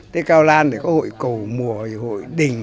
tết cao lan để có hội cầu mùa hội đình